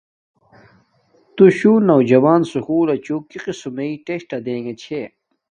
تو شوہ نو نوجون سوکولچو کی قسم مݵ ٹسٹہ دینݣ چھے